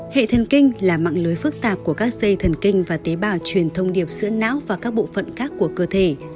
hệ thần kinh là mạng lưới phức tạp của các dây thần kinh và tế bào truyền thông điệp giữa não và các bộ phận khác của cơ thể